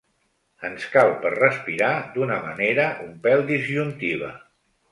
Ens cal per respirar d'una manera un pèl disjuntiva.